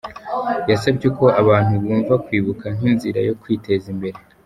Yasabye ko abantu bumva kwibuka nk’inzira yo kwiteza imbere.